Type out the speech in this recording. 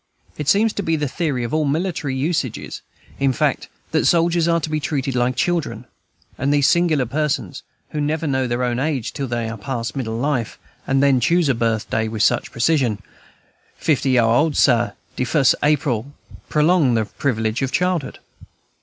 It seems to be the theory of all military usages, in fact, that soldiers are to be treated like children; and these singular persons, who never know their own age till they are past middle life, and then choose a birthday with such precision, "Fifty year old, Sah, de fus' last April," prolong the privilege of childhood.